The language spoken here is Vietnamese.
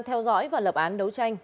theo dõi và lập án đấu tranh